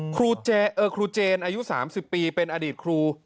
ครูเจเออครูเจนอายุ๓๐ปีเป็นอดีตครู